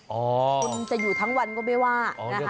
คุณจะอยู่ทั้งวันก็ไม่ว่านะคะ